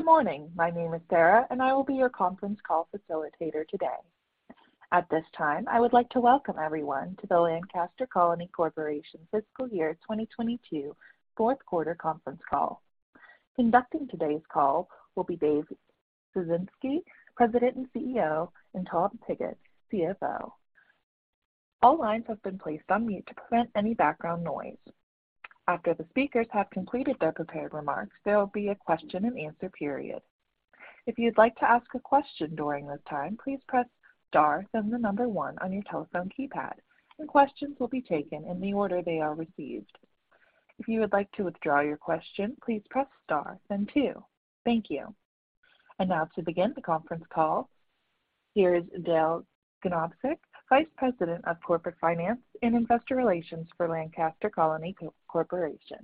Good morning. My name is Sarah, and I will be your conference call facilitator today. At this time, I would like to welcome everyone to the Lancaster Colony Corporation Fiscal Year 2022 Fourth Quarter Conference Call. Conducting today's call will be Dave Ciesinski, President and CEO, and Tom Pigott, CFO. All lines have been placed on mute to prevent any background noise. After the speakers have completed their prepared remarks, there will be a question-and-answer period. If you'd like to ask a question during this time, please press star then the number one on your telephone keypad, and questions will be taken in the order they are received. If you would like to withdraw your question, please press star then two. Thank you. Now to begin the conference call, here is Dale Ganobsik, Vice President of Corporate Finance and Investor Relations for Lancaster Colony Corporation.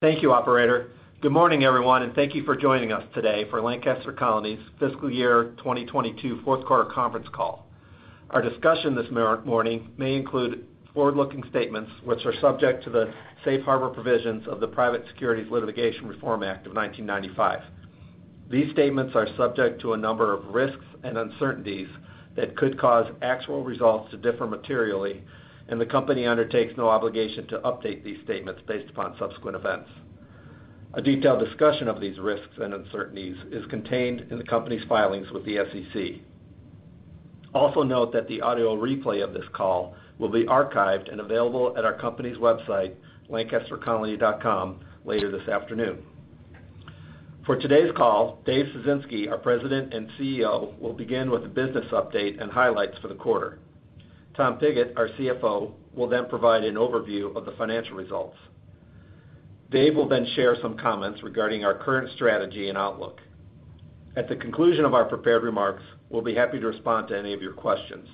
Thank you, operator. Good morning, everyone, and thank you for joining us today for Lancaster Colony's Fiscal Year 2022 Fourth Quarter Conference Call. Our discussion this morning may include forward-looking statements which are subject to the safe harbor provisions of the Private Securities Litigation Reform Act of 1995. These statements are subject to a number of risks and uncertainties that could cause actual results to differ materially, and the company undertakes no obligation to update these statements based upon subsequent events. A detailed discussion of these risks and uncertainties is contained in the company's filings with the SEC. Also note that the audio replay of this call will be archived and available at our company's website, lancastercolony.com, later this afternoon. For today's call, Dave Ciesinski, our President and CEO, will begin with a business update and highlights for the quarter. Tom Pigott, our CFO, will then provide an overview of the financial results. Dave will then share some comments regarding our current strategy and outlook. At the conclusion of our prepared remarks, we'll be happy to respond to any of your questions.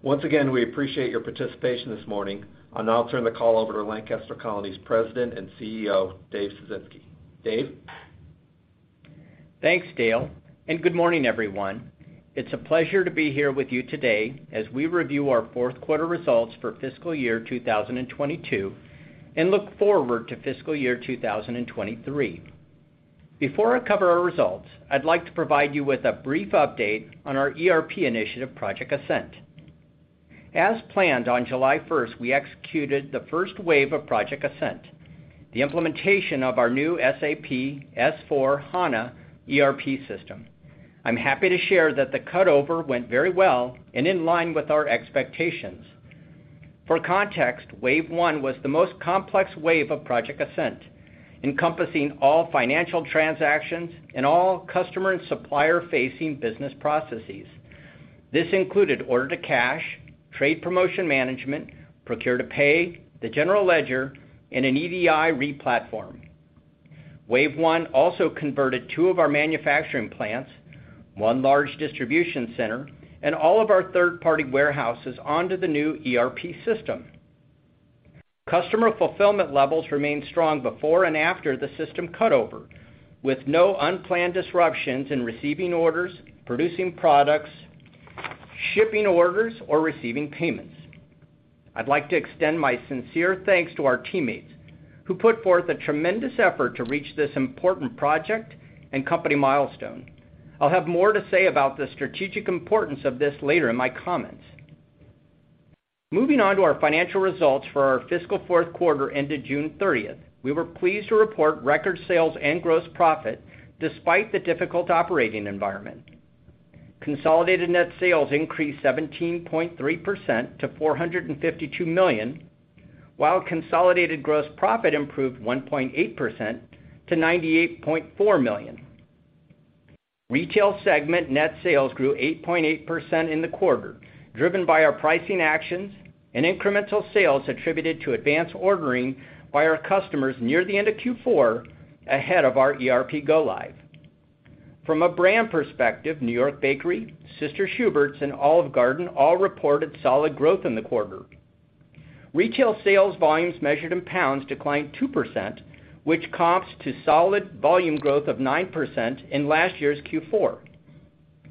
Once again, we appreciate your participation this morning. I'll now turn the call over to Lancaster Colony's President and CEO, Dave Ciesinski. Dave? Thanks, Dale, and good morning, everyone. It's a pleasure to be here with you today as we review our fourth quarter results for fiscal year 2022 and look forward to fiscal year 2023. Before I cover our results, I'd like to provide you with a brief update on our ERP initiative, Project Ascent. As planned on July first, we executed the first wave of Project Ascent, the implementation of our new SAP S/4HANA ERP system. I'm happy to share that the cutover went very well and in line with our expectations. For context, wave one was the most complex wave of Project Ascent, encompassing all financial transactions and all customer and supplier-facing business processes. This included order to cash, trade promotion management, procure to pay, the general ledger, and an EDI replatform. Wave one also converted two manufacturing plants, one large distribution center, and all of our third-party warehouses onto the new ERP system. Customer fulfillment levels remained strong before and after the system cutover, with no unplanned disruptions in receiving orders, producing products, shipping orders, or receiving payments. I'd like to extend my sincere thanks to our teammates who put forth a tremendous effort to reach this important project and company milestone. I'll have more to say about the strategic importance of this later in my comments. Moving on to our financial results for our fiscal fourth quarter ended June 30. We were pleased to report record sales and gross profit despite the difficult operating environment. Consolidated net sales increased 17.3% to $452 million, while consolidated gross profit improved 1.8% to $98.4 million. Retail segment net sales grew 8.8% in the quarter, driven by our pricing actions and incremental sales attributed to advance ordering by our customers near the end of Q4 ahead of our ERP go-live. From a brand perspective, New York Bakery, Sister Schubert's, and Olive Garden all reported solid growth in the quarter. Retail sales volumes measured in pounds declined 2%, which comps to solid volume growth of 9% in last year's Q4.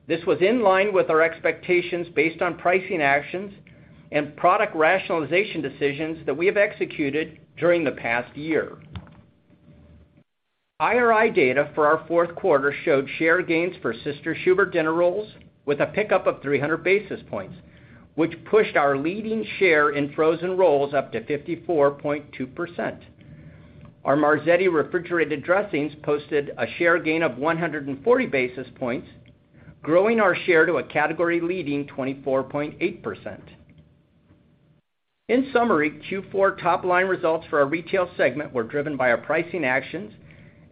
This was in line with our expectations based on pricing actions and product rationalization decisions that we have executed during the past year. IRI data for our fourth quarter showed share gains for Sister Schubert dinner rolls with a pickup of 300 basis points, which pushed our leading share in frozen rolls up to 54.2%. Our Marzetti refrigerated dressings posted a share gain of 140 basis points, growing our share to a category-leading 24.8%. In summary, Q4 top-line results for our retail segment were driven by our pricing actions,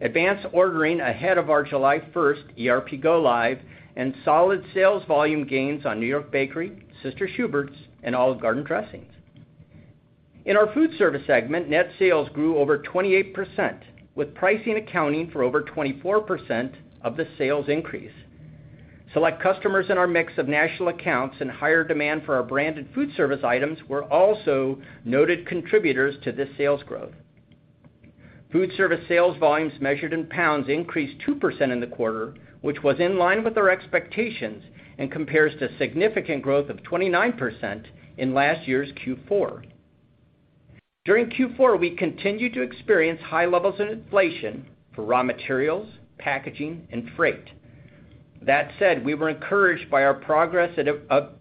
advance ordering ahead of our July first ERP go-live, and solid sales volume gains on New York Bakery, Sister Schubert's, and Olive Garden dressings. In our food service segment, net sales grew over 28%, with pricing accounting for over 24% of the sales increase. Select customers in our mix of national accounts and higher demand for our branded food service items were also noted contributors to this sales growth. Food service sales volumes measured in pounds increased 2% in the quarter, which was in line with our expectations and compares to significant growth of 29% in last year's Q4. During Q4, we continued to experience high levels of inflation for raw materials, packaging, and freight. That said, we were encouraged by our progress at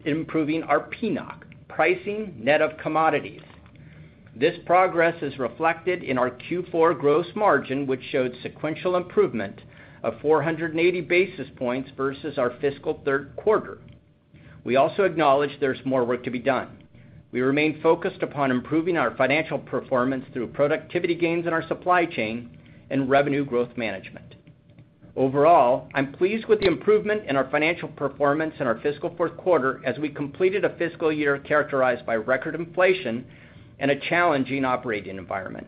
improving our PNOC, pricing net of commodities. This progress is reflected in our Q4 gross margin, which showed sequential improvement of 480 basis points versus our fiscal third quarter. We also acknowledge there's more work to be done. We remain focused upon improving our financial performance through productivity gains in our supply chain and revenue growth management. Overall, I'm pleased with the improvement in our financial performance in our fiscal fourth quarter as we completed a fiscal year characterized by record inflation and a challenging operating environment.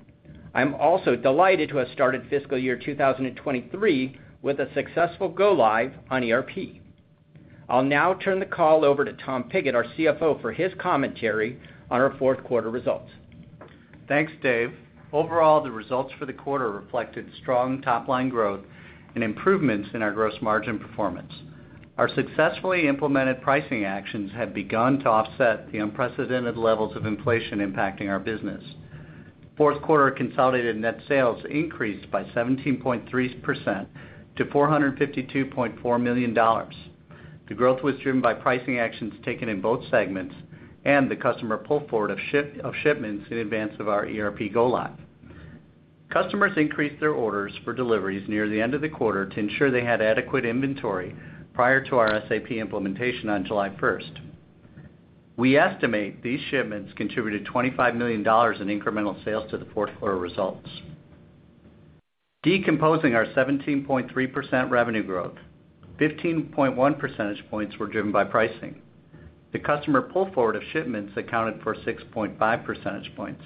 I'm also delighted to have started fiscal year 2023 with a successful go live on ERP. I'll now turn the call over to Tom Pigott, our CFO, for his commentary on our fourth quarter results. Thanks, Dave. Overall, the results for the quarter reflected strong top-line growth and improvements in our gross margin performance. Our successfully implemented pricing actions have begun to offset the unprecedented levels of inflation impacting our business. Fourth quarter consolidated net sales increased by 17.3% to $452.4 million. The growth was driven by pricing actions taken in both segments and the customer pull forward of shipments in advance of our ERP go live. Customers increased their orders for deliveries near the end of the quarter to ensure they had adequate inventory prior to our SAP implementation on July first. We estimate these shipments contributed $25 million in incremental sales to the fourth quarter results. Decomposing our 17.3% revenue growth, 15.1 percentage points were driven by pricing. The customer pull forward of shipments accounted for 6.5 percentage points.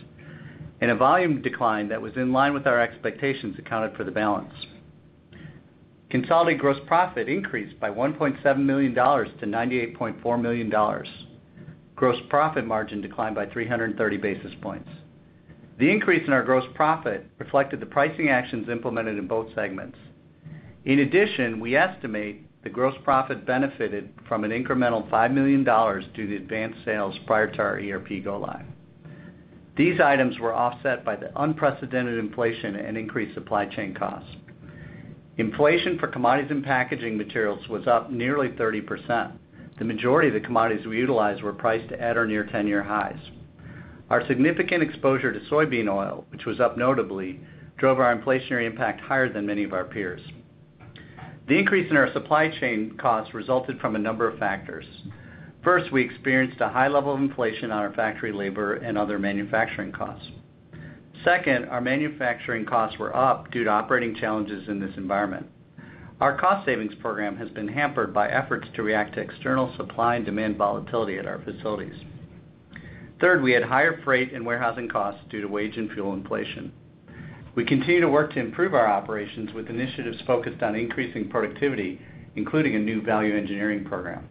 A volume decline that was in line with our expectations accounted for the balance. Consolidated gross profit increased by $1.7 million to $98.4 million. Gross profit margin declined by 330 basis points. The increase in our gross profit reflected the pricing actions implemented in both segments. In addition, we estimate the gross profit benefited from an incremental $5 million due to advanced sales prior to our ERP go live. These items were offset by the unprecedented inflation and increased supply chain costs. Inflation for commodities and packaging materials was up nearly 30%. The majority of the commodities we utilize were priced at or near ten-year highs. Our significant exposure to soybean oil, which was up notably, drove our inflationary impact higher than many of our peers. The increase in our supply chain costs resulted from a number of factors. First, we experienced a high level of inflation on our factory labor and other manufacturing costs. Second, our manufacturing costs were up due to operating challenges in this environment. Our cost savings program has been hampered by efforts to react to external supply and demand volatility at our facilities. Third, we had higher freight and warehousing costs due to wage and fuel inflation. We continue to work to improve our operations with initiatives focused on increasing productivity, including a new value engineering program.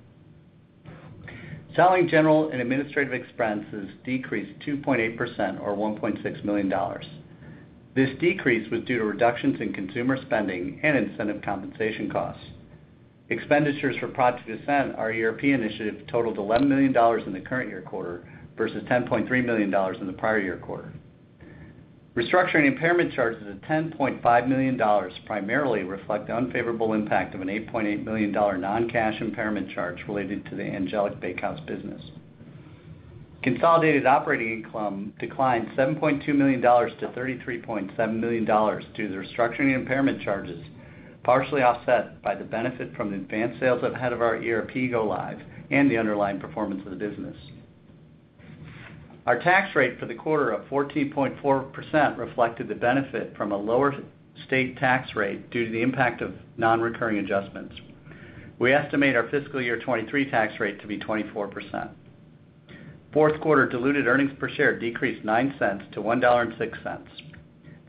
Selling, general, and administrative expenses decreased 2.8% or $1.6 million. This decrease was due to reductions in consumer spending and incentive compensation costs. Expenditures for Project Ascent, our ERP initiative, totaled $11 million in the current year quarter versus $10.3 million in the prior year quarter. Restructuring impairment charges of $10.5 million primarily reflect the unfavorable impact of an $8.8 million non-cash impairment charge related to the Angelic Bakehouse business. Consolidated operating income declined $7.2 million-$33.7 million due to the restructuring and impairment charges, partially offset by the benefit from the advanced sales ahead of our ERP go live and the underlying performance of the business. Our tax rate for the quarter of 14.4% reflected the benefit from a lower state tax rate due to the impact of non-recurring adjustments. We estimate our fiscal year 2023 tax rate to be 24%. Fourth quarter diluted earnings per share decreased 9 cents to $1.06.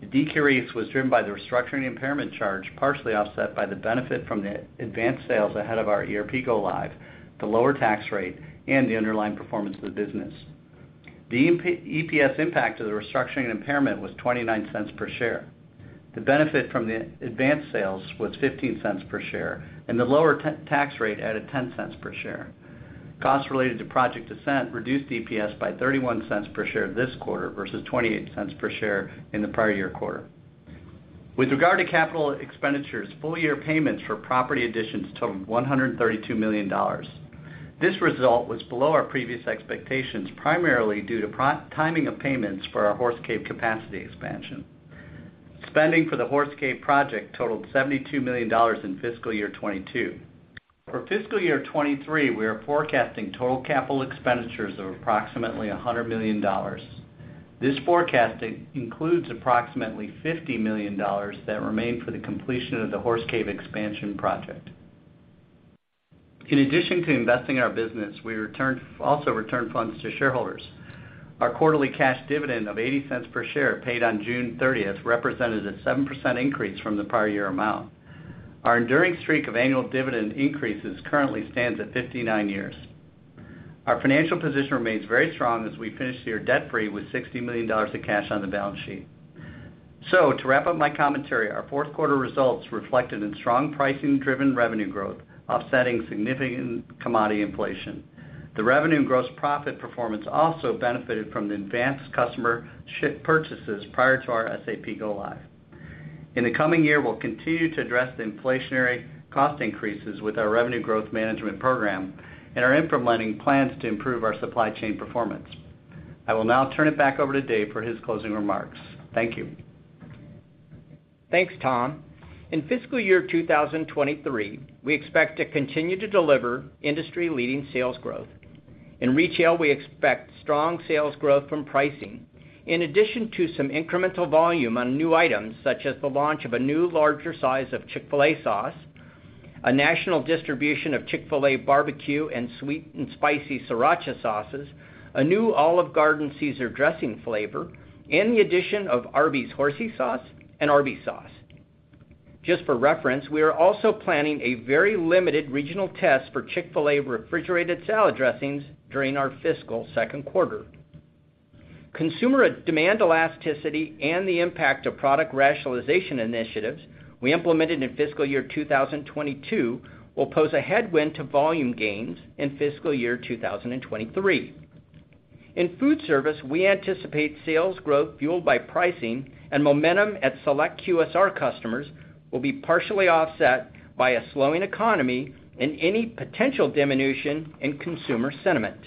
The decrease was driven by the restructuring impairment charge, partially offset by the benefit from the advanced sales ahead of our ERP go live, the lower tax rate, and the underlying performance of the business. The EPS impact of the restructuring and impairment was 29 cents per share. The benefit from the advanced sales was 15 cents per share, and the lower tax rate added 10 cents per share. Costs related to Project Ascent reduced EPS by 31 cents per share this quarter versus 28 cents per share in the prior year quarter. With regard to capital expenditures, full year payments for property additions totaled $132 million. This result was below our previous expectations, primarily due to timing of payments for our Horse Cave capacity expansion. Spending for the Horse Cave project totaled $72 million in fiscal year 2022. For fiscal year 2023, we are forecasting total capital expenditures of approximately $100 million. This forecasting includes approximately $50 million that remain for the completion of the Horse Cave expansion project. In addition to investing in our business, we also returned funds to shareholders. Our quarterly cash dividend of $0.80 per share paid on June 30 represented a 7% increase from the prior year amount. Our enduring streak of annual dividend increases currently stands at 59 years. Our financial position remains very strong as we finish the year debt-free with $60 million of cash on the balance sheet. To wrap up my commentary, our fourth quarter results reflected strong pricing driven revenue growth offsetting significant commodity inflation. The revenue and gross profit performance also benefited from the advanced customer ship purchases prior to our SAP go live. In the coming year, we'll continue to address the inflationary cost increases with our revenue growth management program and are implementing plans to improve our supply chain performance. I will now turn it back over to Dave for his closing remarks. Thank you. Thanks, Tom. In fiscal year 2023, we expect to continue to deliver industry-leading sales growth. In retail, we expect strong sales growth from pricing, in addition to some incremental volume on new items such as the launch of a new larger size of Chick-fil-A sauce, a national distribution of Chick-fil-A Barbeque and sweet and spicy Sriracha sauces, a new Olive Garden Caesar dressing flavor, and the addition of Arby's Horsey Sauce and Arby's Sauce. Just for reference, we are also planning a very limited regional test for Chick-fil-A refrigerated salad dressings during our fiscal second quarter. Consumer demand elasticity and the impact of product rationalization initiatives we implemented in fiscal year 2022 will pose a headwind to volume gains in fiscal year 2023. In food service, we anticipate sales growth fueled by pricing and momentum at select QSR customers will be partially offset by a slowing economy and any potential diminution in consumer sentiment.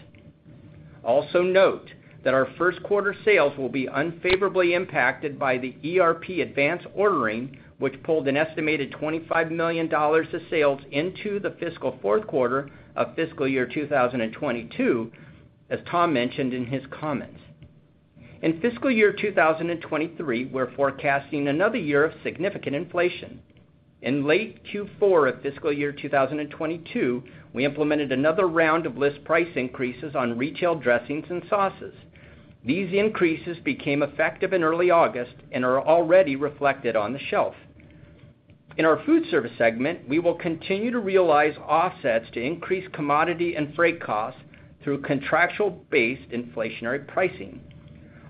Note that our first quarter sales will be unfavorably impacted by the ERP advance ordering, which pulled an estimated $25 million of sales into the fiscal fourth quarter of fiscal year 2022, as Tom mentioned in his comments. In fiscal year 2023, we're forecasting another year of significant inflation. In late Q4 of fiscal year 2022, we implemented another round of list price increases on retail dressings and sauces. These increases became effective in early August and are already reflected on the shelf. In our food service segment, we will continue to realize offsets to increase commodity and freight costs through contractual based inflationary pricing.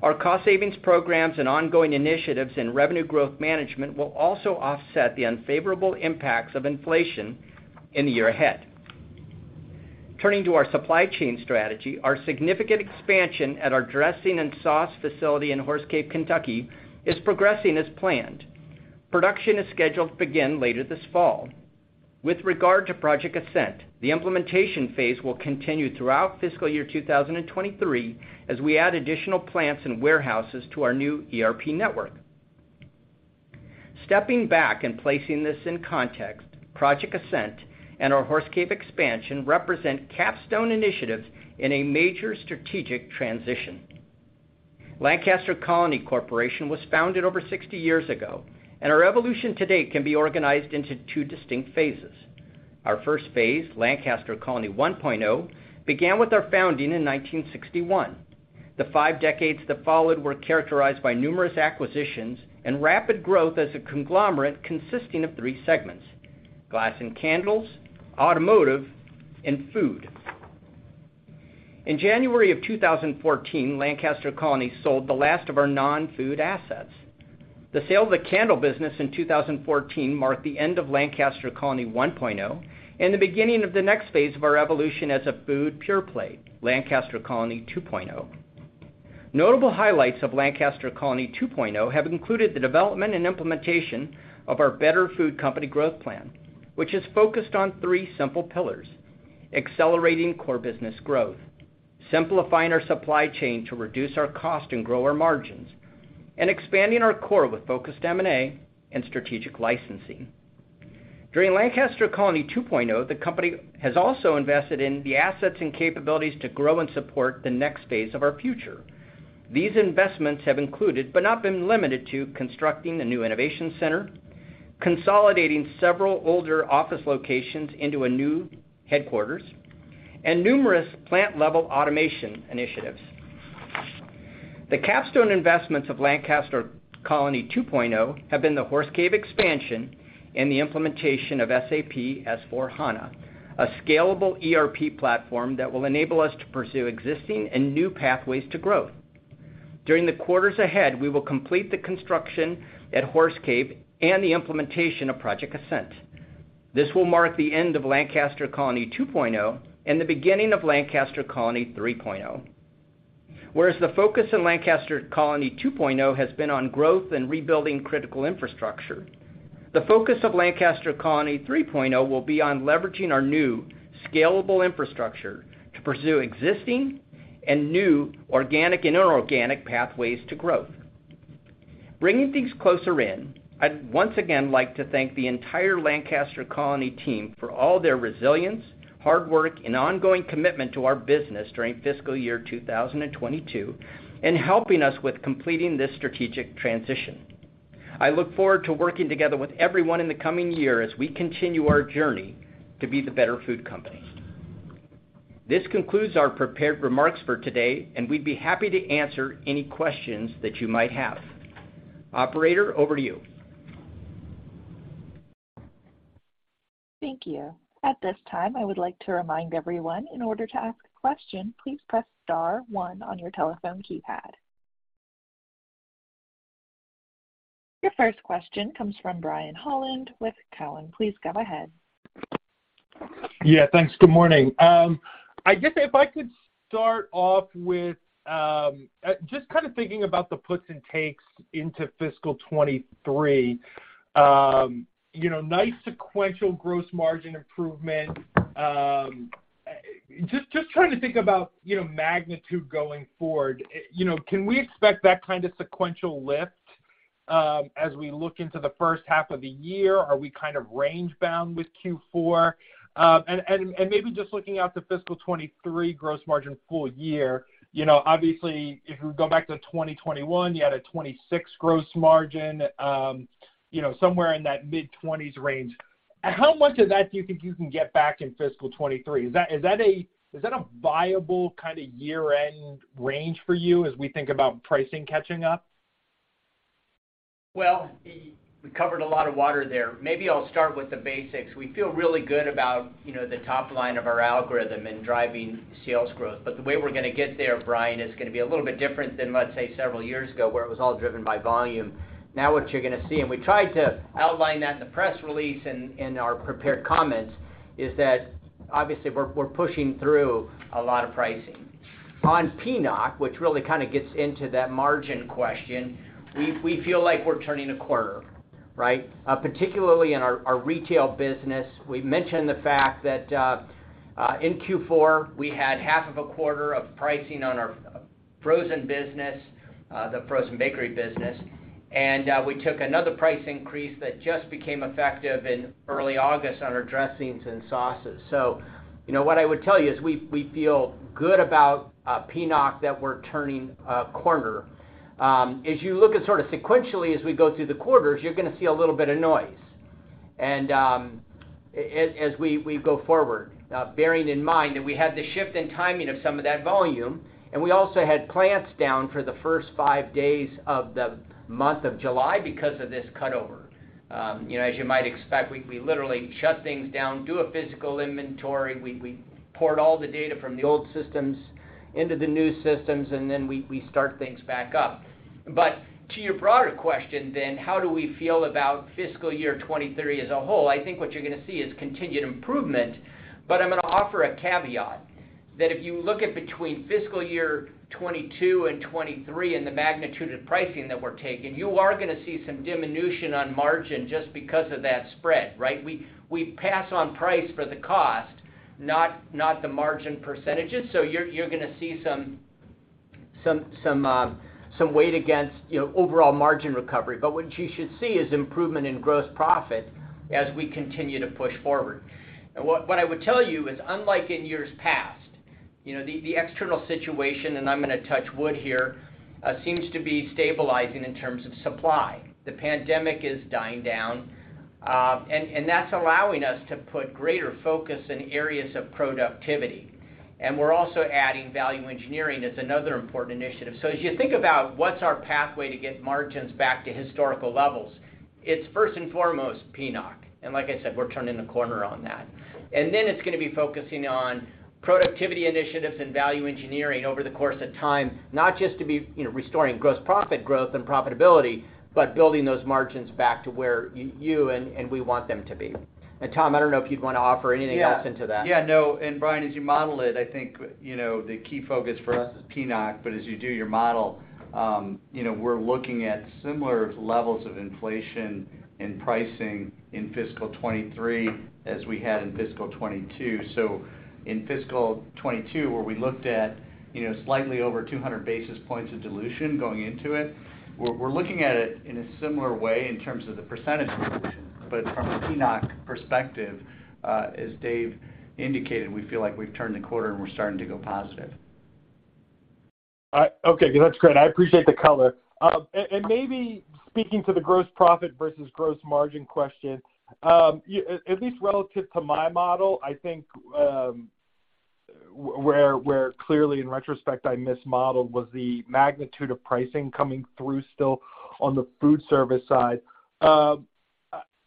Our cost savings programs and ongoing initiatives in revenue growth management will also offset the unfavorable impacts of inflation in the year ahead. Turning to our supply chain strategy, our significant expansion at our dressing and sauce facility in Horse Cave, Kentucky is progressing as planned. Production is scheduled to begin later this fall. With regard to Project Ascent, the implementation phase will continue throughout fiscal year 2023 as we add additional plants and warehouses to our new ERP network. Stepping back and placing this in context, Project Ascent and our Horse Cave expansion represent capstone initiatives in a major strategic transition. Lancaster Colony Corporation was founded over 60 years ago, and our evolution today can be organized into two distinct phases. Our first phase, Lancaster Colony 1.0, began with our founding in 1961. The five decades that followed were characterized by numerous acquisitions and rapid growth as a conglomerate consisting of three segments, glass and candles, automotive, and food. In January of 2014, Lancaster Colony sold the last of our non-food assets. The sale of the candle business in 2014 marked the end of Lancaster Colony 1.0 and the beginning of the next phase of our evolution as a food pure play, Lancaster Colony 2.0. Notable highlights of Lancaster Colony 2.0 have included the development and implementation of our Better Food Company growth plan, which is focused on three simple pillars, accelerating core business growth, simplifying our supply chain to reduce our cost and grow our margins, and expanding our core with focused M&A and strategic licensing. During Lancaster Colony 2.0, the company has also invested in the assets and capabilities to grow and support the next phase of our future. These investments have included, but not been limited to, constructing a new innovation center, consolidating several older office locations into a new headquarters, and numerous plant-level automation initiatives. The capstone investments of Lancaster Colony 2.0 have been the Horse Cave expansion and the implementation of SAP S/4HANA, a scalable ERP platform that will enable us to pursue existing and new pathways to growth. During the quarters ahead, we will complete the construction at Horse Cave and the implementation of Project Ascent. This will mark the end of Lancaster Colony 2.0 and the beginning of Lancaster Colony 3.0. Whereas the focus in Lancaster Colony 2.0 has been on growth and rebuilding critical infrastructure, the focus of Lancaster Colony 3.0 will be on leveraging our new scalable infrastructure to pursue existing and new organic and inorganic pathways to growth. Bringing things closer in, I'd once again like to thank the entire Lancaster Colony team for all their resilience, hard work, and ongoing commitment to our business during fiscal year 2022 and helping us with completing this strategic transition. I look forward to working together with everyone in the coming year as we continue our journey to be the better food company. This concludes our prepared remarks for today, and we'd be happy to answer any questions that you might have. Operator, over to you. Thank you. At this time, I would like to remind everyone in order to ask a question, please press star one on your telephone keypad. Your first question comes from Brian Holland with Cowen. Please go ahead. Yeah, thanks. Good morning. I guess if I could start off with just kind of thinking about the puts and takes into fiscal 2023. You know, nice sequential gross margin improvement. Just trying to think about, you know, magnitude going forward. You know, can we expect that kind of sequential lift as we look into the first half of the year? Are we kind of range bound with Q4? And maybe just looking out to fiscal 2023 gross margin full year, you know, obviously if we go back to 2021, you had a 26% gross margin, you know, somewhere in that mid-20s range. How much of that do you think you can get back in fiscal 2023? Is that a viable kind of year-end range for you as we think about pricing catching up? Well, we covered a lot of ground there. Maybe I'll start with the basics. We feel really good about, you know, the top line of our algorithm in driving sales growth. The way we're gonna get there, Brian, is gonna be a little bit different than, let's say, several years ago, where it was all driven by volume. Now, what you're gonna see, and we tried to outline that in the press release and our prepared comments, is that obviously we're pushing through a lot of pricing. On PNOC, which really kind of gets into that margin question, we feel like we're turning a corner, right? Particularly in our retail business. We mentioned the fact that in Q4, we had half of a quarter of pricing on our frozen business, the frozen bakery business. We took another price increase that just became effective in early August on our dressings and sauces. You know, what I would tell you is we feel good about PNOC, that we're turning a corner. As you look at sort of sequentially as we go through the quarters, you're gonna see a little bit of noise and as we go forward, bearing in mind that we had the shift in timing of some of that volume, and we also had plants down for the first five days of the month of July because of this cutover. You know, as you might expect, we literally shut things down, do a physical inventory, we port all the data from the old systems into the new systems, and then we start things back up. To your broader question then, how do we feel about fiscal year 2023 as a whole? I think what you're gonna see is continued improvement, but I'm gonna offer a caveat that if you look at between fiscal year 2022 and 2023 and the magnitude of pricing that we're taking, you are gonna see some diminution on margin just because of that spread, right? We pass on price for the cost, not the margin percentages. So you're gonna see some weight against, you know, overall margin recovery. What you should see is improvement in gross profit as we continue to push forward. What I would tell you is, unlike in years past, you know, the external situation, and I'm gonna touch wood here, seems to be stabilizing in terms of supply. The pandemic is dying down, and that's allowing us to put greater focus in areas of productivity. We're also adding value engineering as another important initiative. As you think about what's our pathway to get margins back to historical levels, it's first and foremost PNOC. Like I said, we're turning the corner on that. Then it's gonna be focusing on productivity initiatives and value engineering over the course of time, not just to be, you know, restoring gross profit growth and profitability, but building those margins back to where you and we want them to be. Tom, I don't know if you'd want to offer anything else into that. Yeah. Yeah, no. Brian, as you model it, I think, you know, the key focus for us is PNOC, but as you do your model, you know, we're looking at similar levels of inflation in pricing in fiscal 2023 as we had in fiscal 2022. In fiscal 2022, where we looked at, you know, slightly over 200 basis points of dilution going into it, we're looking at it in a similar way in terms of the percentage dilution. From a PNOC perspective, as Dave indicated, we feel like we've turned the corner and we're starting to go positive. Okay, that's great. I appreciate the color. Maybe speaking to the gross profit versus gross margin question, at least relative to my model, I think where clearly in retrospect, I mismodeled was the magnitude of pricing coming through still on the food service side.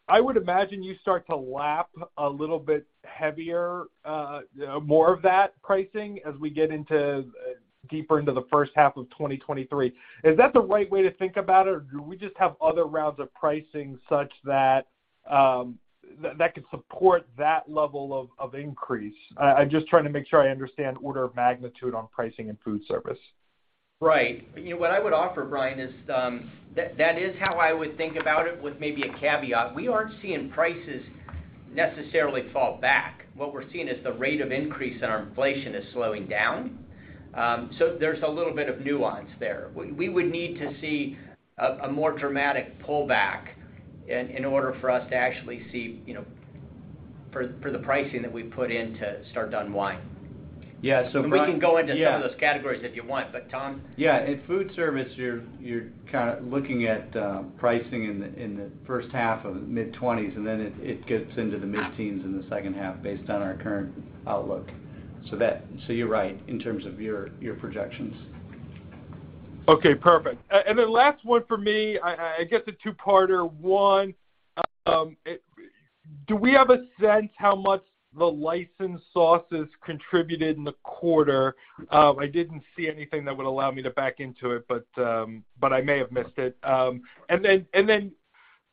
I would imagine you start to lap a little bit heavier, more of that pricing as we get deeper into the first half of 2023. Is that the right way to think about it, or do we just have other rounds of pricing such that that could support that level of increase? I'm just trying to make sure I understand order of magnitude on pricing and food service. Right. You know, what I would offer, Brian, is that is how I would think about it with maybe a caveat. We aren't seeing prices necessarily fall back. What we're seeing is the rate of increase in our inflation is slowing down. So there's a little bit of nuance there. We would need to see a more dramatic pullback in order for us to actually see, you know, for the pricing that we put in to start to unwind. Yeah. We can go into some of those categories if you want, but Tom? Yeah. In food service, you're looking at pricing in the first half of mid-20s%, and then it gets into the mid-teens% in the second half based on our current outlook. You're right in terms of your projections. Okay, perfect. The last one for me, I guess a two-parter. One, do we have a sense how much the licensed sauces contributed in the quarter? I didn't see anything that would allow me to back into it, but I may have missed it.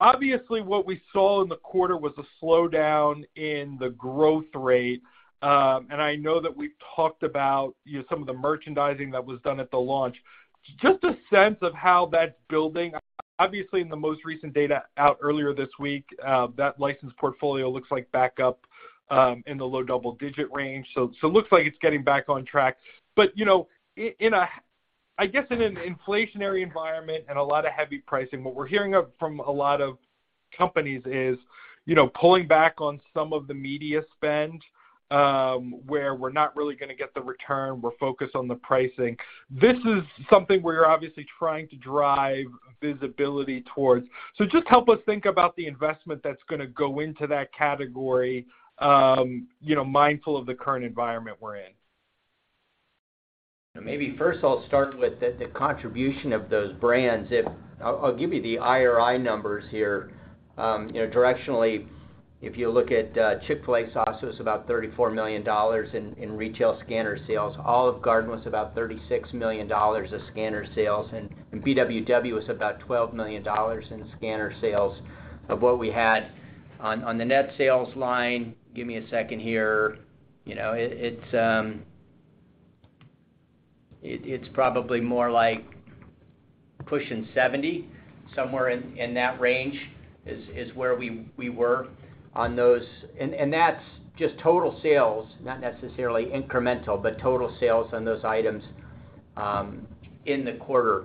Obviously, what we saw in the quarter was a slowdown in the growth rate. I know that we've talked about, you know, some of the merchandising that was done at the launch. Just a sense of how that's building. Obviously, in the most recent data out earlier this week, that licensed portfolio looks like back up in the low double-digit range. Looks like it's getting back on track. You know, I guess in an inflationary environment and a lot of heavy pricing, what we're hearing from a lot of companies is, you know, pulling back on some of the media spend, where we're not really gonna get the return, we're focused on the pricing. This is something where you're obviously trying to drive visibility towards. Just help us think about the investment that's gonna go into that category, you know, mindful of the current environment we're in. Maybe first I'll start with the contribution of those brands. I'll give you the IRI numbers here. You know, directionally, if you look at Chick-fil-A sauce, it was about $34 million in retail scanner sales. Olive Garden was about $36 million of scanner sales. BWW was about $12 million in scanner sales of what we had. On the net sales line, give me a second here. You know, it's probably more like pushing $70, somewhere in that range is where we were on those. That's just total sales, not necessarily incremental, but total sales on those items in the quarter.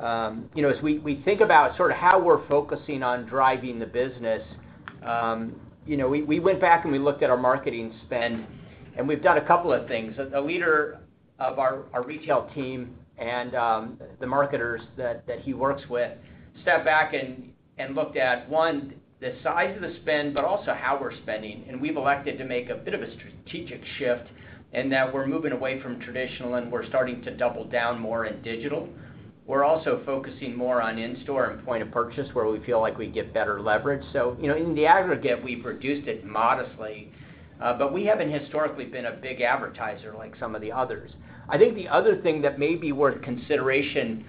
You know, as we think about sort of how we're focusing on driving the business, you know, we went back and we looked at our marketing spend, and we've done a couple of things. A leader of our retail team and the marketers that he works with stepped back and looked at one, the size of the spend, but also how we're spending. We've elected to make a bit of a strategic shift, and that we're moving away from traditional and we're starting to double down more in digital. We're also focusing more on in-store and point of purchase where we feel like we get better leverage. You know, in the aggregate, we've reduced it modestly, but we haven't historically been a big advertiser like some of the others. I think the other thing that may be worth consideration,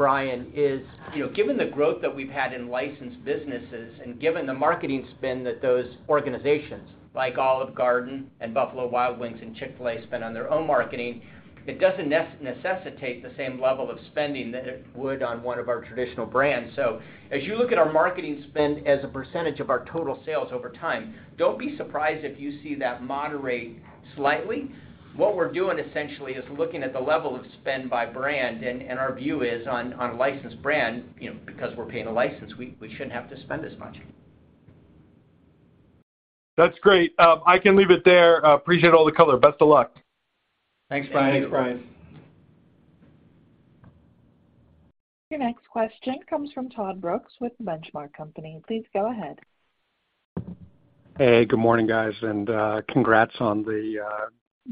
Brian, is, you know, given the growth that we've had in licensed businesses and given the marketing spend that those organizations like Olive Garden and Buffalo Wild Wings and Chick-fil-A spend on their own marketing, it doesn't necessitate the same level of spending that it would on one of our traditional brands. So as you look at our marketing spend as a percentage of our total sales over time, don't be surprised if you see that moderate slightly. What we're doing essentially is looking at the level of spend by brand, and our view is on a licensed brand, you know, because we're paying a license, we shouldn't have to spend as much. That's great. I can leave it there. I appreciate all the color. Best of luck. Thanks, Brian. Thank you, Brian. Your next question comes from Todd Brooks with The Benchmark Company. Please go ahead. Hey, good morning, guys, and congrats on the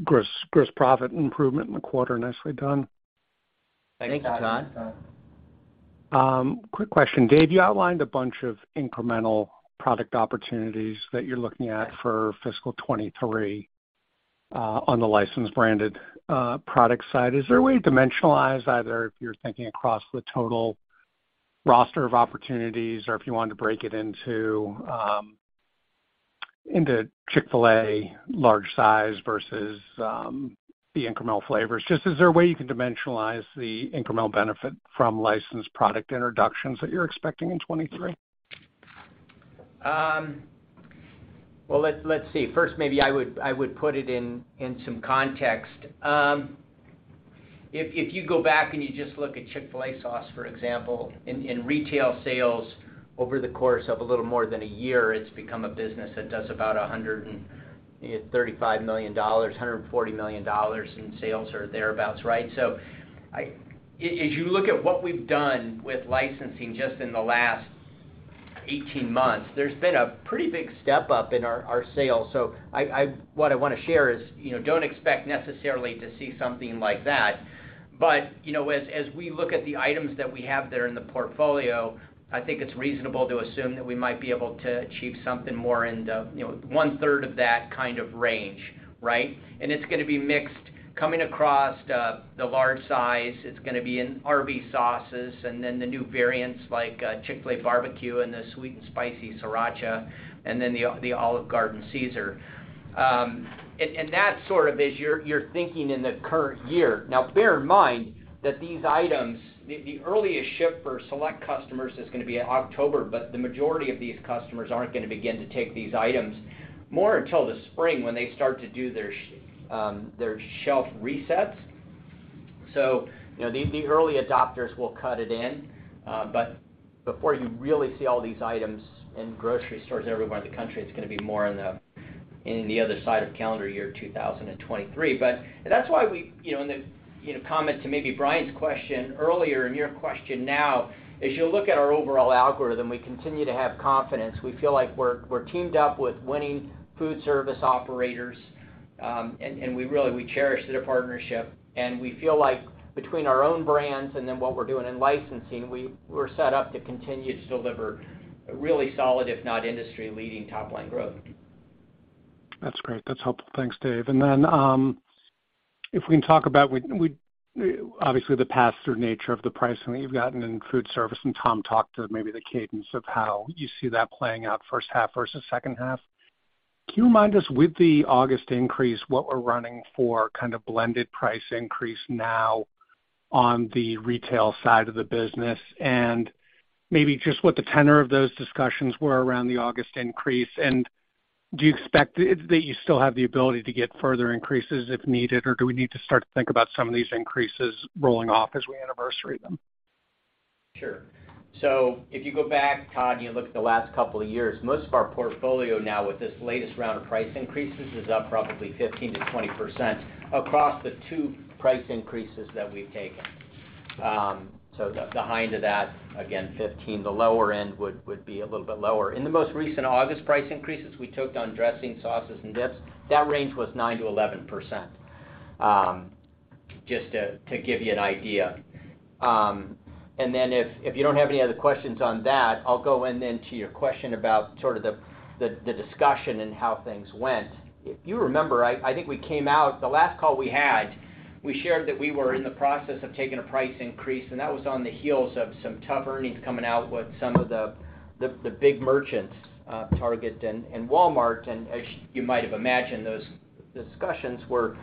gross profit improvement in the quarter. Nicely done. Thank you, Todd. Thank you, Todd. Quick question. Dave Ciesinski, you outlined a bunch of incremental product opportunities that you're looking at for fiscal 2023, on the licensed branded product side. Is there a way to dimensionalize either if you're thinking across the total roster of opportunities or if you wanted to break it into Chick-fil-A large size versus the incremental flavors? Just, is there a way you can dimensionalize the incremental benefit from licensed product introductions that you're expecting in 2023? Well, let's see. First, maybe I would put it in some context. If you go back and you just look at Chick-fil-A sauce, for example, in retail sales over the course of a little more than a year, it's become a business that does about $135 million, $140 million in sales or thereabouts, right? If you look at what we've done with licensing just in the last eighteen months, there's been a pretty big step up in our sales. What I wanna share is, you know, don't expect necessarily to see something like that. You know, as we look at the items that we have there in the portfolio, I think it's reasonable to assume that we might be able to achieve something more in the, you know, one-third of that kind of range, right? It's gonna be mixed coming across the large size. It's gonna be in Arby's sauces, and then the new variants like Chick-fil-A Barbeque and the Sweet & Spicy Sriracha, and then the Olive Garden Caesar. That sort of is your thinking in the current year. Now bear in mind that these items, the earliest shipment for select customers is gonna be in October, but the majority of these customers aren't gonna begin to take these items more until the spring when they start to do their shelf resets. You know, the early adopters will cut it in. Before you really see all these items in grocery stores everywhere in the country, it's gonna be more on the other side of calendar year 2023. That's why, you know, in response to maybe Brian's question earlier and your question now, as you look at our overall algorithm, we continue to have confidence. We feel like we're teamed up with winning food service operators, and we really cherish their partnership and we feel like between our own brands and then what we're doing in licensing, we're set up to continue to deliver really solid, if not industry-leading, top-line growth. That's great. That's helpful. Thanks, Dave. If we can talk about obviously, the pass-through nature of the pricing that you've gotten in food service, and Tom talked about maybe the cadence of how you see that playing out first half versus second half. Can you remind us, with the August increase, what we're running for kind of blended price increase now on the retail side of the business? And maybe just what the tenor of those discussions were around the August increase. And do you expect that you still have the ability to get further increases if needed, or do we need to start to think about some of these increases rolling off as we anniversary them? Sure. If you go back, Todd, and you look at the last couple of years, most of our portfolio now with this latest round of price increases is up probably 15%-20% across the two price increases that we've taken. Behind that, again, 15, the lower end would be a little bit lower. In the most recent August price increases we took on dressing, sauces, and dips, that range was 9%-11%, just to give you an idea. If you don't have any other questions on that, I'll go into your question about sort of the discussion and how things went. If you remember, I think we came out the last call we had, we shared that we were in the process of taking a price increase, and that was on the heels of some tough earnings coming out with some of the big merchants, Target and Walmart. As you might have imagined, those discussions were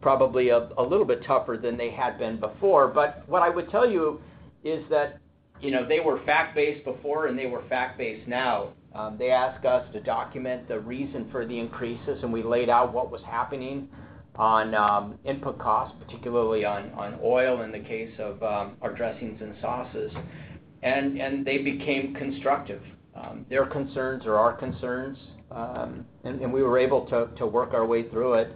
probably a little bit tougher than they had been before. What I would tell you is that, you know, they were fact-based before and they were fact-based now. Their concerns are our concerns, and we were able to work our way through it.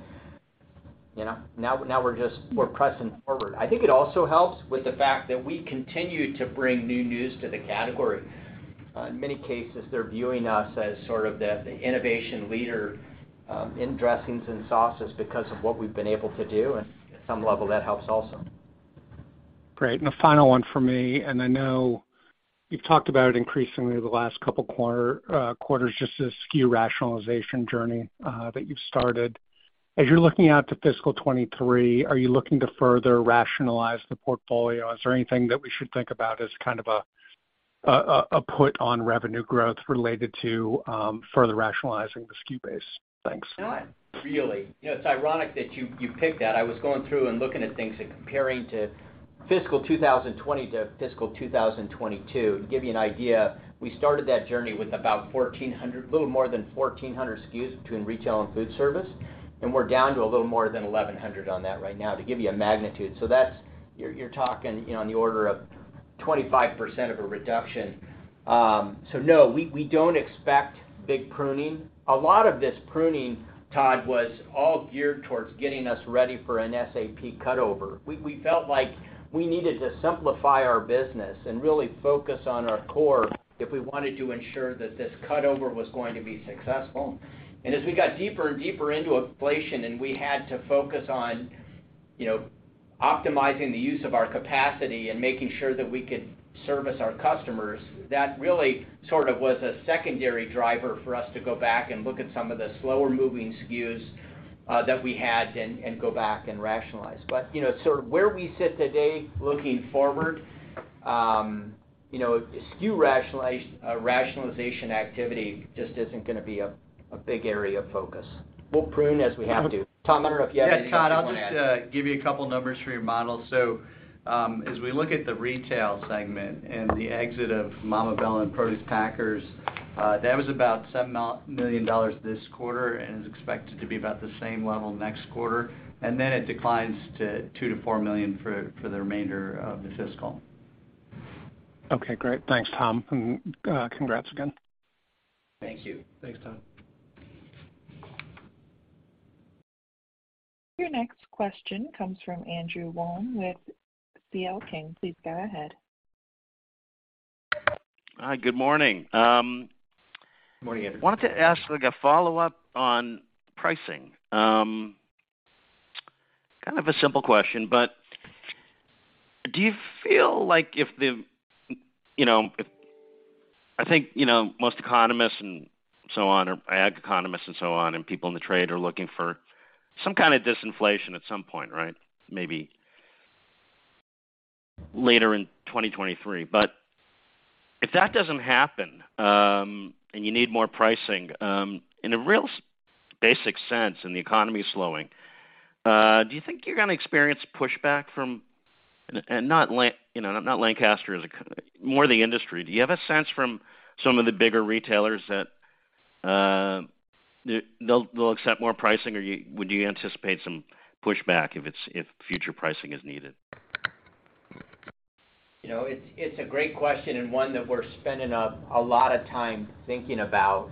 You know, now we're pressing forward. I think it also helps with the fact that we continue to bring new news to the category. In many cases, they're viewing us as sort of the innovation leader in dressings and sauces because of what we've been able to do. At some level, that helps also. Great. A final one for me, and I know you've talked about it increasingly the last couple quarters, just the SKU rationalization journey that you've started. As you're looking out to fiscal 2023, are you looking to further rationalize the portfolio? Is there anything that we should think about as kind of a put on revenue growth related to further rationalizing the SKU base? Thanks. Not really. You know, it's ironic that you picked that. I was going through and looking at things and comparing to fiscal 2020 to fiscal 2022. To give you an idea, we started that journey with about 1,400 little more than 1,400 SKUs between retail and food service, and we're down to a little more than 1,100 on that right now to give you a magnitude. So that's, you're talking, you know, on the order of 25% of a reduction. So no, we don't expect big pruning. A lot of this pruning, Todd, was all geared towards getting us ready for an SAP cutover. We felt like we needed to simplify our business and really focus on our core if we wanted to ensure that this cutover was going to be successful. As we got deeper and deeper into inflation, and we had to focus on, you know, optimizing the use of our capacity and making sure that we could service our customers, that really sort of was a secondary driver for us to go back and look at some of the slower moving SKUs that we had and go back and rationalize. You know, sort of where we sit today looking forward, SKU rationalization activity just isn't gonna be a big area of focus. We'll prune as we have to. Tom, I don't know if you have anything else you wanna add. Yeah, Todd, I'll just give you a couple of numbers for your model. As we look at the retail segment and the exit of Mamma Bella and Produce Packers, that was about $7 million this quarter and is expected to be about the same level next quarter. Then it declines to $2 million-$4 million for the remainder of the fiscal. Okay, great. Thanks, Tom. Congrats again. Thank you. Thanks, Todd. Your next question comes from Andrew Wolf with C.L. King. Please go ahead. Hi, good morning. Morning, Andrew. Wanted to ask, like, a follow-up on pricing. Kind of a simple question, but do you feel like, you know, I think, you know, most economists and so on or ag economists and so on, and people in the trade are looking for some kind of disinflation at some point, right? Maybe later in 2023. If that doesn't happen, and you need more pricing, in a real basic sense and the economy is slowing, do you think you're gonna experience pushback from not Lancaster, you know, not Lancaster as a company, more the industry. Do you have a sense from some of the bigger retailers that, they'll accept more pricing, or would you anticipate some pushback if future pricing is needed? You know, it's a great question and one that we're spending a lot of time thinking about.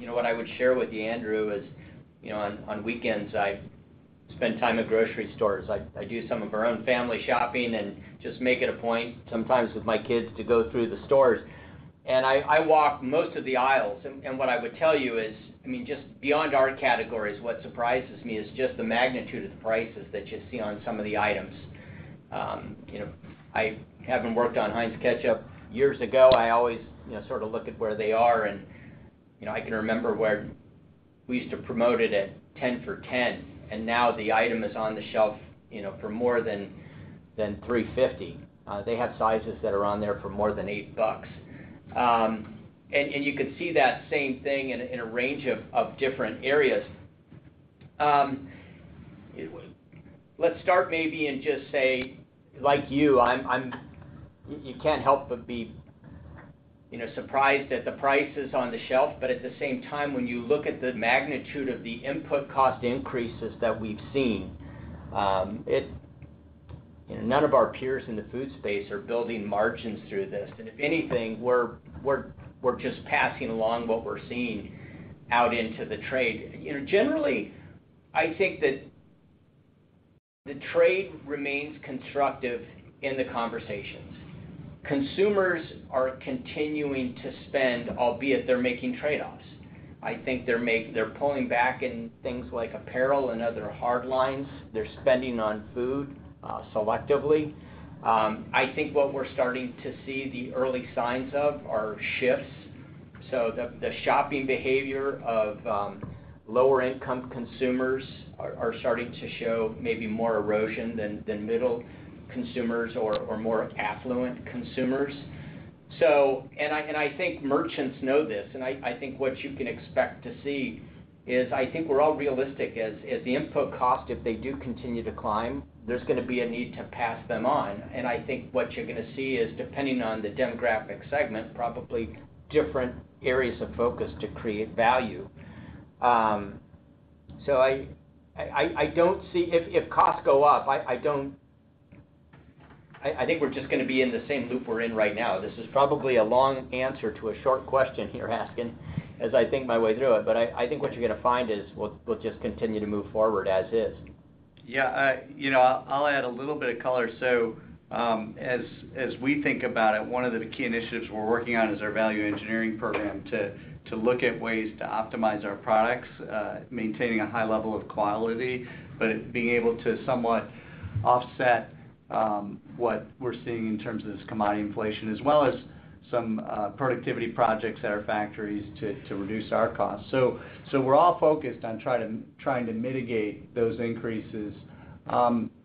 You know, what I would share with you, Andrew, is, you know, on weekends, I spend time at grocery stores. I do some of our own family shopping and just make it a point sometimes with my kids to go through the stores. I walk most of the aisles, and what I would tell you is, I mean, just beyond our categories, what surprises me is just the magnitude of the prices that you see on some of the items. You know, I haven't worked on Heinz Ketchup. Years ago, I always, you know, sort of look at where they are and, you know, I can remember where we used to promote it at 10 for 10, and now the item is on the shelf, you know, for more than $3.50. They have sizes that are on there for more than $8. You could see that same thing in a range of different areas. Let's start maybe and just say, like you can't help but be, you know, surprised at the prices on the shelf. At the same time, when you look at the magnitude of the input cost increases that we've seen, it. You know, none of our peers in the food space are building margins through this. If anything, we're just passing along what we're seeing out into the trade. You know, generally, I think that the trade remains constructive in the conversations. Consumers are continuing to spend, albeit they're making trade-offs. I think they're pulling back in things like apparel and other hard lines. They're spending on food, selectively. I think what we're starting to see the early signs of are shifts. The shopping behavior of lower income consumers are starting to show maybe more erosion than middle consumers or more affluent consumers. I think merchants know this, and I think what you can expect to see is, I think we're all realistic as the input cost, if they do continue to climb, there's gonna be a need to pass them on. I think what you're gonna see is, depending on the demographic segment, probably different areas of focus to create value. I don't see if costs go up. I think we're just gonna be in the same loop we're in right now. This is probably a long answer to a short question you're asking as I think my way through it, but I think what you're gonna find is we'll just continue to move forward as is. Yeah. You know, I'll add a little bit of color. As we think about it, one of the key initiatives we're working on is our value engineering program to look at ways to optimize our products, maintaining a high level of quality, but being able to somewhat offset what we're seeing in terms of this commodity inflation, as well as some productivity projects at our factories to reduce our costs. We're all focused on trying to mitigate those increases.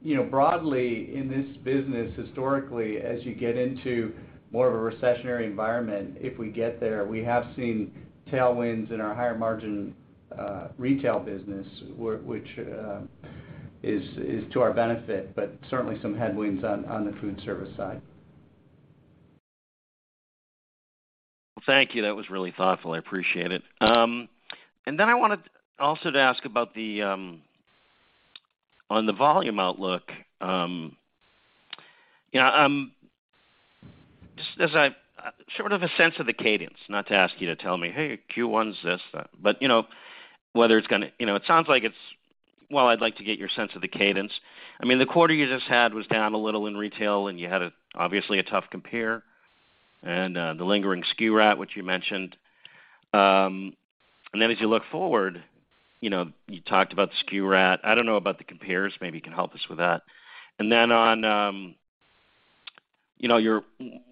You know, broadly in this business, historically, as you get into more of a recessionary environment, if we get there, we have seen tailwinds in our higher margin retail business, which is to our benefit, but certainly some headwinds on the food service side. Well, thank you. That was really thoughtful. I appreciate it. I wanted also to ask about the volume outlook, you know, sort of a sense of the cadence, not to ask you to tell me, "Hey, Q1's this, that." You know, whether it's gonna, you know, it sounds like it's, well, I'd like to get your sense of the cadence. I mean, the quarter you just had was down a little in retail, and you had, obviously, a tough compare and the lingering SKU rationalization, which you mentioned. As you look forward, you know, you talked about the SKU rationalization. I don't know about the compares. Maybe you can help us with that. On, you know,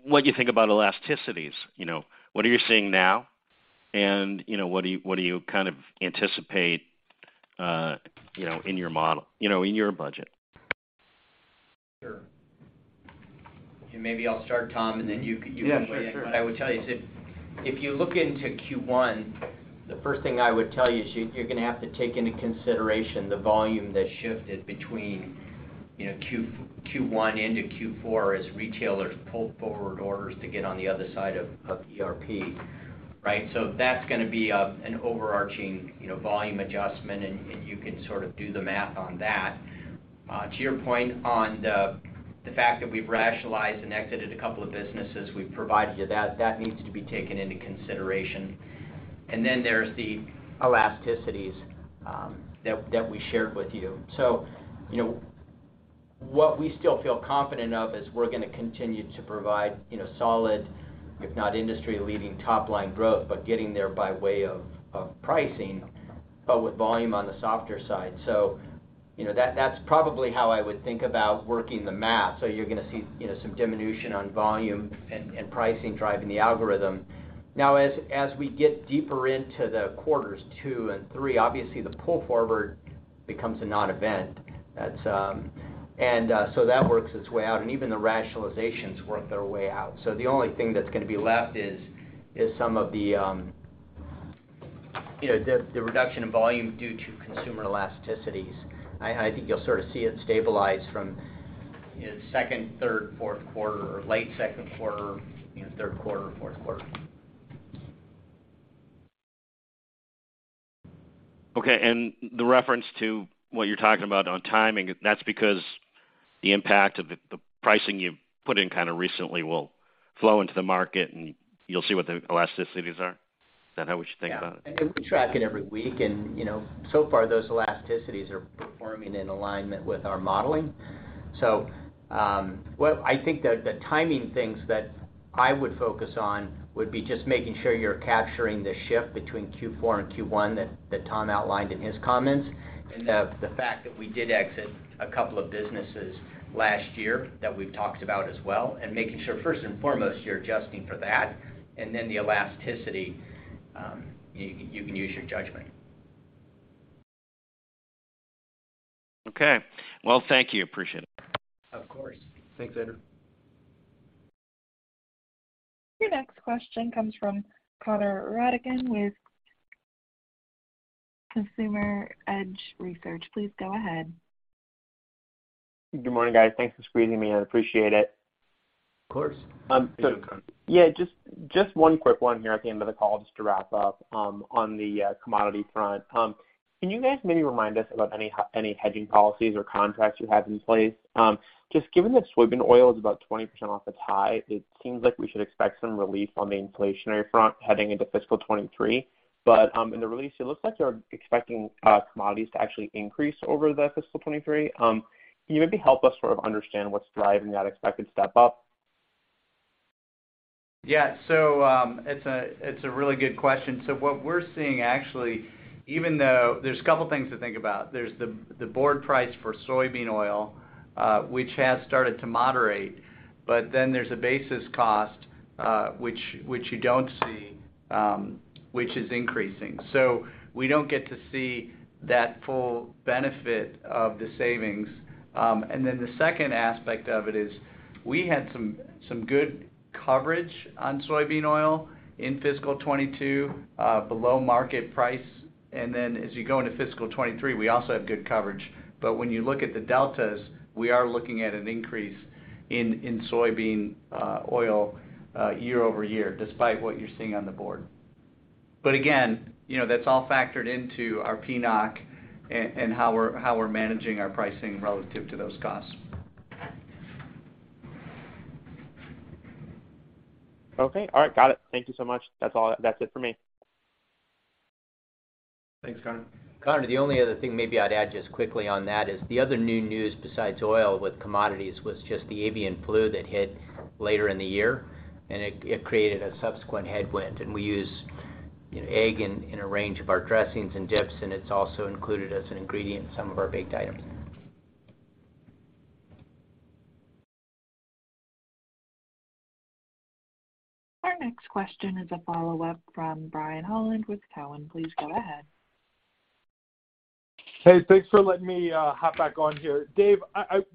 what you think about elasticities. You know, what are you seeing now? You know, what do you kind of anticipate, you know, in your model, you know, in your budget? Sure. Maybe I'll start, Tom, and then you can. Yeah. Sure. Sure. What I would tell you is if you look into Q1, the first thing I would tell you is you're gonna have to take into consideration the volume that shifted between, you know, Q1 into Q4 as retailers pulled forward orders to get on the other side of ERP, right? So that's gonna be an overarching, you know, volume adjustment, and you can sort of do the math on that. To your point on the fact that we've rationalized and exited a couple of businesses, we've provided you that. That needs to be taken into consideration. Then there's the elasticities that we shared with you. You know, what we still feel confident of is we're gonna continue to provide, you know, solid, if not industry-leading top line growth, but getting there by way of pricing, but with volume on the softer side. You know, that's probably how I would think about working the math. You're gonna see, you know, some diminution on volume and pricing driving the algorithm. Now, as we get deeper into the quarters two and three, obviously the pull forward becomes a non-event. That's. That works its way out, and even the rationalizations work their way out. The only thing that's gonna be left is some of the, you know, the reduction in volume due to consumer elasticities. I think you'll sort of see it stabilize from, you know, second, third, fourth quarter or late second quarter, you know, third quarter, fourth quarter. Okay. The reference to what you're talking about on timing, that's because the impact of the pricing you've put in kind of recently will flow into the market, and you'll see what the elasticities are. Is that how we should think about it? Yeah. We track it every week and, you know, so far, those elasticities are performing in alignment with our modeling. So, I think the timing things that I would focus on would be just making sure you're capturing the shift between Q4 and Q1 that Tom outlined in his comments, and the fact that we did exit a couple of businesses last year that we've talked about as well, and making sure first and foremost, you're adjusting for that, and then the elasticity, you can use your judgment. Okay. Well, thank you. Appreciate it. Of course. Thanks, Andrew. Your next question comes from Connor Rattigan with Consumer Edge Research. Please go ahead. Good morning, guys. Thanks for squeezing me in. I appreciate it. Of course. Good morning, Connor. Yeah, just one quick one here at the end of the call, just to wrap up, on the commodity front. Can you guys maybe remind us about any hedging policies or contracts you have in place? Just given that soybean oil is about 20% off its high, it seems like we should expect some relief on the inflationary front heading into fiscal 2023. In the release, it looks like you're expecting commodities to actually increase over the fiscal 2023. Can you maybe help us sort of understand what's driving that expected step up? Yeah. It's a really good question. What we're seeing actually, even though there's a couple things to think about. There's the board price for soybean oil, which has started to moderate, but then there's a basis cost, which you don't see, which is increasing. We don't get to see that full benefit of the savings. Then the second aspect of it is we had some good coverage on soybean oil in fiscal 2022, below market price. As you go into fiscal 2023, we also have good coverage. When you look at the deltas, we are looking at an increase in soybean oil year over year, despite what you're seeing on the board. Again, you know, that's all factored into our PNOC and how we're managing our pricing relative to those costs. Okay. All right. Got it. Thank you so much. That's all. That's it for me. Thanks, Connor. Connor, the only other thing maybe I'd add just quickly on that is the other new news besides oil with commodities was just the avian flu that hit later in the year, and it created a subsequent headwind. We use, you know, egg in a range of our dressings and dips, and it's also included as an ingredient in some of our baked items. Our next question is a follow-up from Brian Holland with Cowen. Please go ahead. Hey, thanks for letting me hop back on here. Dave,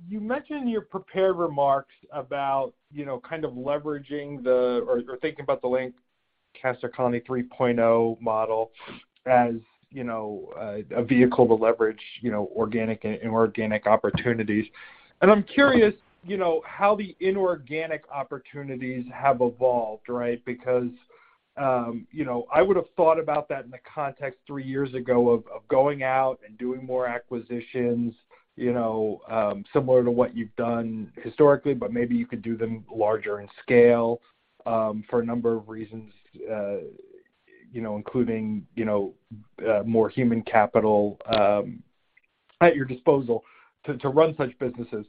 you mentioned in your prepared remarks about, you know, kind of thinking about the Lancaster Colony 3.0 model as, you know, a vehicle to leverage, you know, organic and inorganic opportunities. I'm curious, you know, how the inorganic opportunities have evolved, right? Because, you know, I would have thought about that in the context three years ago of going out and doing more acquisitions, you know, similar to what you've done historically, but maybe you could do them larger in scale, for a number of reasons, you know, including, you know, more human capital at your disposal to run such businesses.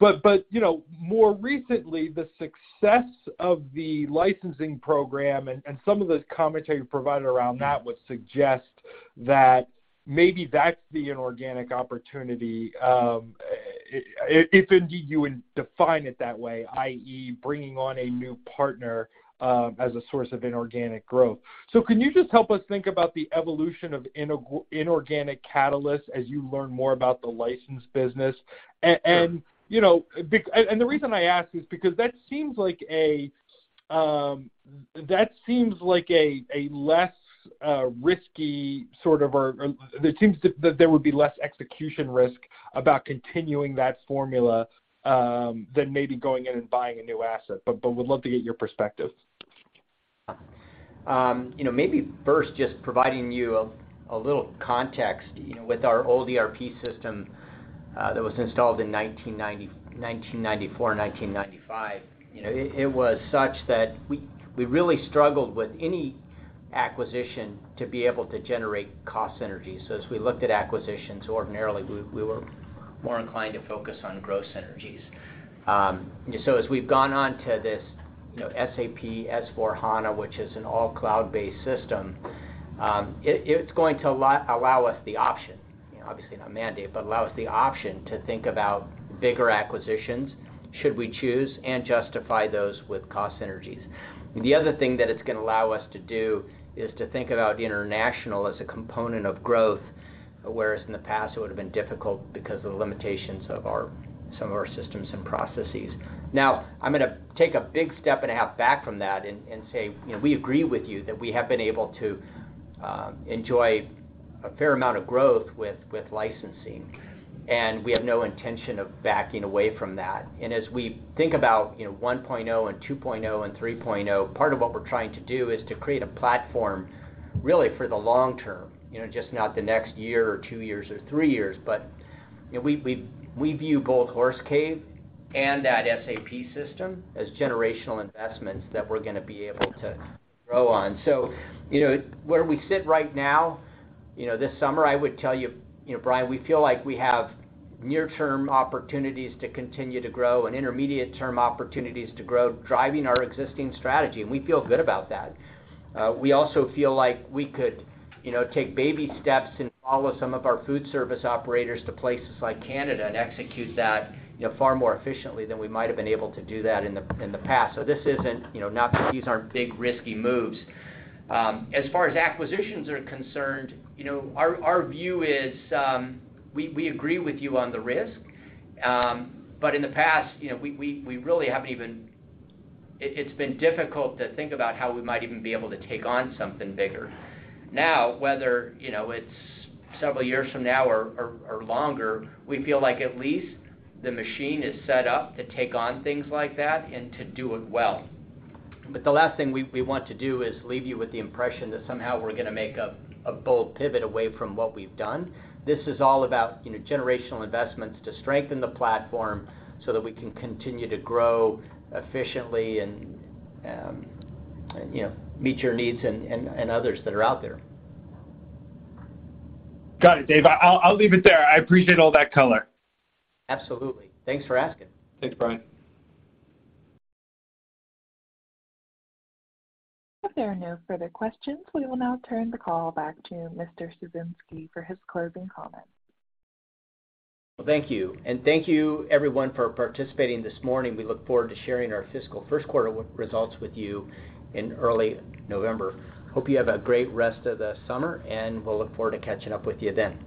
You know, more recently, the success of the licensing program and some of the commentary you provided around that would suggest that maybe that's the inorganic opportunity, if indeed you would define it that way, i.e., bringing on a new partner, as a source of inorganic growth. Can you just help us think about the evolution of inorganic catalysts as you learn more about the license business? The reason I ask is because that seems like a less risky sort of, or it seems that there would be less execution risk about continuing that formula, than maybe going in and buying a new asset, but would love to get your perspective. You know, maybe first just providing you a little context, you know, with our old ERP system that was installed in 1994-1995, you know, it was such that we really struggled with any acquisition to be able to generate cost synergies. As we looked at acquisitions, ordinarily, we were more inclined to focus on growth synergies. As we've gone on to this, you know, SAP S/4HANA, which is an all cloud-based system, it's going to allow us the option, you know, obviously not mandate, but allow us the option to think about bigger acquisitions should we choose and justify those with cost synergies. The other thing that it's gonna allow us to do is to think about international as a component of growth, whereas in the past, it would have been difficult because of the limitations of some of our systems and processes. Now, I'm gonna take a big step and a half back from that and say, you know, we agree with you that we have been able to enjoy a fair amount of growth with licensing, and we have no intention of backing away from that. As we think about, you know, one-point-oh and two-point-oh and three-point-oh, part of what we're trying to do is to create a platform really for the long term, you know, just not the next year or two years or three years. You know, we view both Horse Cave and that SAP system as generational investments that we're gonna be able to grow on. Where we sit right now, you know, this summer, I would tell you know, Brian, we feel like we have near-term opportunities to continue to grow and intermediate-term opportunities to grow, driving our existing strategy, and we feel good about that. We also feel like we could, you know, take baby steps and follow some of our food service operators to places like Canada and execute that, you know, far more efficiently than we might have been able to do that in the past. This isn't, you know, not that these aren't big, risky moves. As far as acquisitions are concerned, you know, our view is, we agree with you on the risk. In the past, you know, it's been difficult to think about how we might even be able to take on something bigger. Now, whether, you know, it's several years from now or longer, we feel like at least the machine is set up to take on things like that and to do it well. The last thing we want to do is leave you with the impression that somehow we're gonna make a bold pivot away from what we've done. This is all about, you know, generational investments to strengthen the platform so that we can continue to grow efficiently and, you know, meet your needs and others that are out there. Got it, Dave. I'll leave it there. I appreciate all that color. Absolutely. Thanks for asking. Thanks, Brian. If there are no further questions, we will now turn the call back to Mr. Ciesinski for his closing comments. Well, thank you. Thank you everyone for participating this morning. We look forward to sharing our fiscal first quarter results with you in early November. Hope you have a great rest of the summer, and we'll look forward to catching up with you then.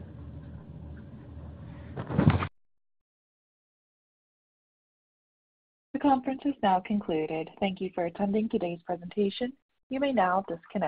The conference is now concluded. Thank you for attending today's presentation. You may now disconnect.